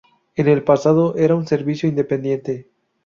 En el pasado era un servicio independiente.